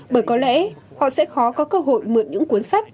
bởi có lẽ họ sẽ khó có cơ hội mượn những cuốn sách